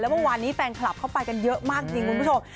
เมื่อวานนี้แฟนคลับเข้าไปกันเยอะมากจริงคุณผู้ชม